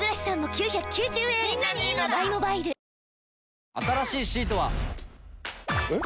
わかるぞ新しいシートは。えっ？